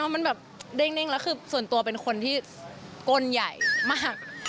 มันแบบเด้งแล้วคือส่วนตัวเป็นคนที่กลใหญ่มาก